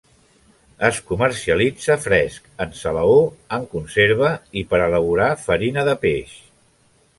Es comercialitza fresc, en salaó, en conserva i per a elaborar farina de peix.